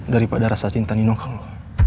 daripada rasa cinta nilai lo